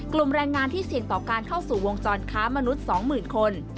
แรงงานที่เสี่ยงต่อการเข้าสู่วงจรค้ามนุษย์๒๐๐๐คน